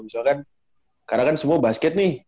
misalkan karena kan semua basket nih